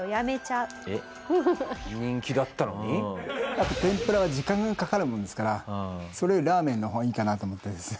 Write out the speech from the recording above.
やっぱ天ぷらは時間がかかるもんですからそれよりラーメンの方がいいかなと思ってですね。